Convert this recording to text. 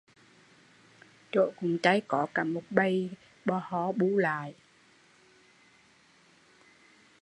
Chỗ cúng chay có cả một bầy ò ho bu lại